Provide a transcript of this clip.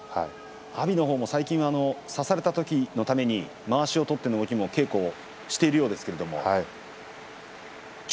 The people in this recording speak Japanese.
阿炎も差されたときのためにまわしを取ったときの動きを稽古しているようですけどもね